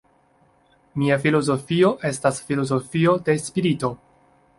Mia filozofio estas filozofio de spirito.